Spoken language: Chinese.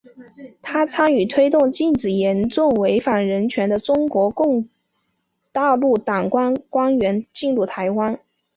她参与推动禁止严重违反人权的中国大陆党政官员进入台湾。